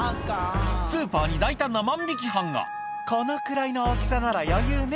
スーパーに大胆な万引犯が「このくらいの大きさなら余裕ね」